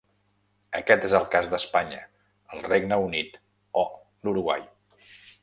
Aquest és el cas d'Espanya, el Regne Unit o l'Uruguai.